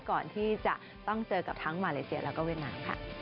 ก่อนที่จะต้องเจอกับทั้งมาเลเซียและเวียดน้ำ